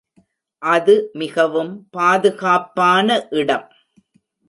அது மிகவும் பாதுகாப்பான இடம்.